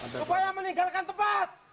supaya meninggalkan tempat